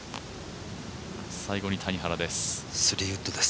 最後に谷原です。